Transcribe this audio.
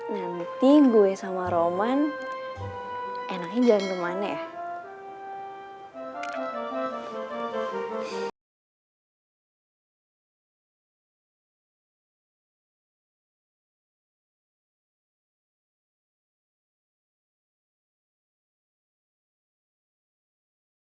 nah bukti gue sama roman enaknya jalan kemana ya